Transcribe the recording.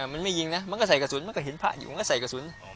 มันไม่ยิงนะมันก็ใส่กระสุนมันก็เห็นพระอยู่มันก็ใส่กระสุน